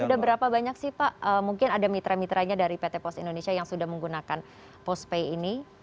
sudah berapa banyak sih pak mungkin ada mitra mitranya dari pt pos indonesia yang sudah menggunakan postpay ini